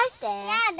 やだ！